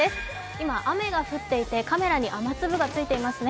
今、雨が降っていて、カメラに雨粒がついていますね。